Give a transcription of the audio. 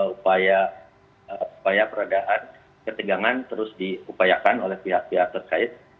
upaya peredahan ketegangan terus diupayakan oleh pihak pihak terkait